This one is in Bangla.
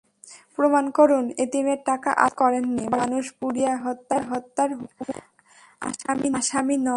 প্রমাণ করুন—এতিমের টাকা আত্মসাৎ করেননি, মানুষ পুড়িয়ে হত্যার হুকুমের আসামি নন।